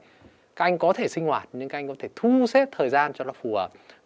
các anh có thể sinh hoạt nhưng các anh có thể thu xếp thời gian cho nó phù hợp